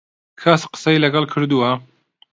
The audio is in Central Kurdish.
کەس قسەی لەگەڵ کردووە؟